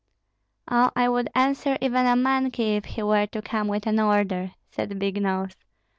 "Oh, I would answer even a monkey if he were to come with an order," said Big Nose.